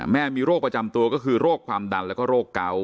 แม่มีโรคประจำตัวก็คือโรคความดันแล้วก็โรคเกา